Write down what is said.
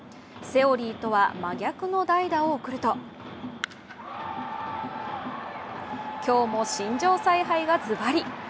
セオリーとは真逆の代打を送ると今日も新庄采配がずばり。